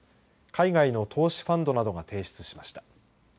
海外の投資ファンドなどが提出しました。